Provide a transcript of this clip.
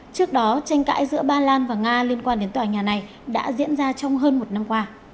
trước đó tranh cãi giữa ba lan và nga liên quan đến tòa nhà này đã diễn ra trong hơn một năm qua